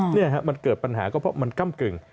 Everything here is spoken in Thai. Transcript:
นี่ฮะมันเกิดปัญหาก็เพราะมันก้ำกึ่ง